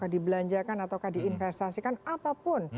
dibelanjakan atau diinvestasikan apapun